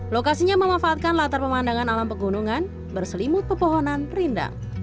lokasinya memanfaatkan latar pemandangan alam pegunungan berselimut pepohonan perindang